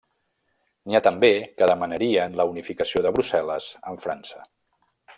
N'hi ha també que demanarien la unificació de Brussel·les amb França.